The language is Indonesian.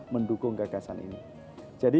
mendukung gagasan ini jadi